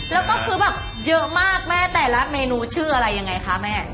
แล้วก็ซื้อแบบเยอะมากแม่แต่ละเมนูชื่ออะไรยังไงคะแม่